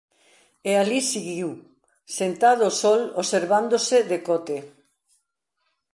E alí seguiu, sentado ó sol, observándose decote...